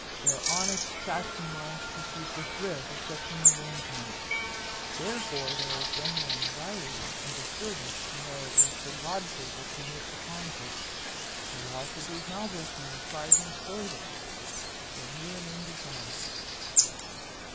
Their honest Saxon minds perceive the thrift of such an arrangement. Therefore there is general anxiety and disturbance to know if Sir Godfrey will permit the conflict. The loss of his Malvoisie tried him sorely, but he remains a father."